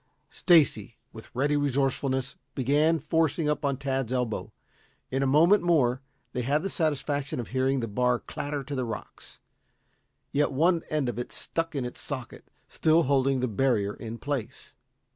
Stacy, with ready resourcefulness, began forcing up on Tad's elbow. In a moment more they had the satisfaction of hearing the bar clatter to the rocks. Yet one end of it had stuck in its socket, still holding the barrier in place.